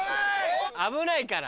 危ないから。